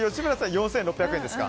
４６００円ですか。